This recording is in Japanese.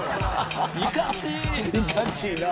いかついな。